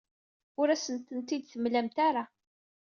Ur asent-tent-id-temlamt ara.